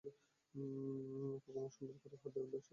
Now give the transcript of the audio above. কুমুর সুন্দর ডান হাতটি একটি শূন্য চৌকির হাতার উপরে।